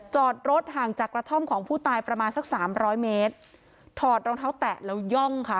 จอดรถห่างจากกระท่อมของผู้ตายประมาณสักสามร้อยเมตรถอดรองเท้าแตะแล้วย่องค่ะ